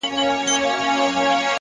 نیک نیت زړونه نږدې کوي’